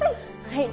はい。